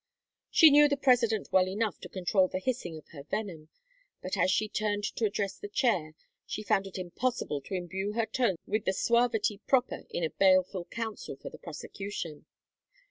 She knew the President well enough to control the hissing of her venom, but as she turned to address the chair she found it impossible to imbue her tones with the suavity proper in a baleful counsel for the prosecution.